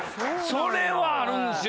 それはあるんですよ